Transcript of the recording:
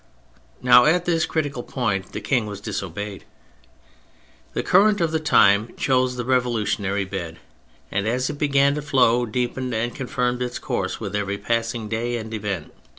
Now at this critical point the King was disobeyed. The current of the time chose the revolutionary bed, and as it began to flow deepened and confirmed its course with every passing day and event.